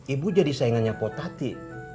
ibu jadi saingannya potati